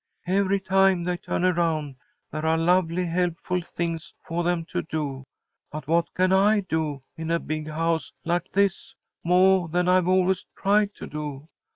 Every time they turn around, there are lovely, helpful things for them to do. But what can I do in a big house like this moah than I've always tried to do?